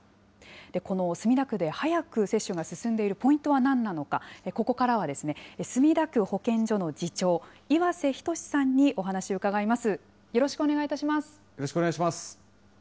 この墨田区で早く接種が進んでいるポイントは何なのか、ここからは、墨田区保健所の次長、岩瀬均さんにお話を伺います。